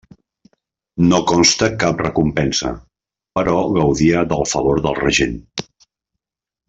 No consta cap recompensa, però gaudia del favor del regent.